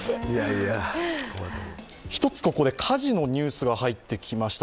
１つ、ここで火事のニュースが入ってきました。